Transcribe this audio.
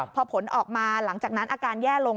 พอผลออกมาหลังจากนั้นอาการแย่ลง